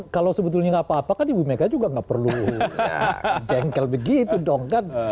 kalau sebetulnya nggak apa apa kan ibu mega juga nggak perlu jengkel begitu dong kan